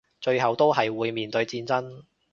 最後都係會面對戰爭